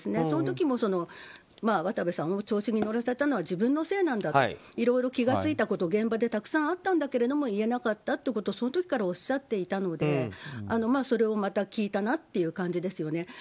その時も、渡部さんを調子に乗らせたのは自分のせいなんだといろいろ気が付いたこと現場でたくさんあったけれども言えなかったということをその時からおっしゃってたのでそれをまた聞いたなっていう感じですよね。